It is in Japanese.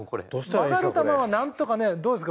曲がる球はなんとかねどうですか？